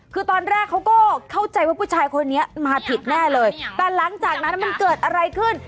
คือตอนแรกเขาก็เข้าใจว่าผู้ชายคนนี้มาผิดแน่เลยแต่หลังจากนั้นมันเกิดอะไรขึ้น